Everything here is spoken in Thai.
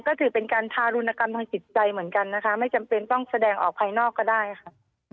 ก็ถือเป็นการทารุณกรรมทางจิตใจเหมือนกันนะคะไม่จำเป็นต้องแสดงออกภายนอกก็ได้ค่ะ